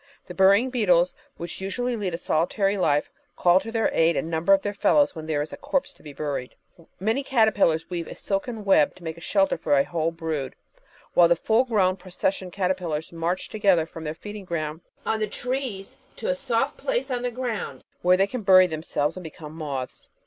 The Burying Beetles, which usually lead a solitary life, call to their aid a number of their fellows when there is a corpse to be buried. Many caterpillars weave a silken web to make a shelter for a whole brood, while the full grown Procession Caterpillars march together from their feeding groimd on the trees to a soft place on the ground where they can bury them selves and become moths.